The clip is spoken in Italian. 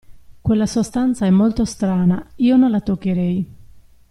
Quella sostanza è molto strana, io non la toccherei.